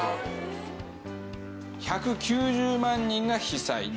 １９０万人が被災。